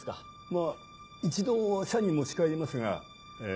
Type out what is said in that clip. まぁ一度社に持ち帰りますがえ